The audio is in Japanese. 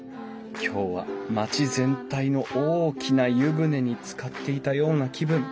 今日は町全体の大きな湯船につかっていたような気分。